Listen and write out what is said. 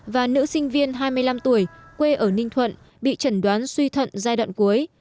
và nữ sinh viên hai mươi năm tuổi quê ở ninh thuận bị chẩn đoán suy thận giai đoạn cuối